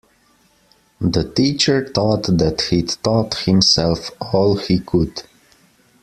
The teacher thought that he'd taught himself all he could.